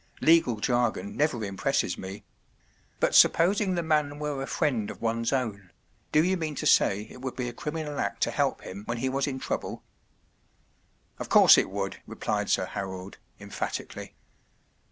“ Legal jargon never im¬ presses me ; but supposing the man were a friend of one’s own, do you mean to say it would be a criminal act to help him when lie was in trouble ? ” “ Of course it would,” replied Sir Harold, emphatically.